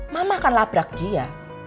mama akan labrak dia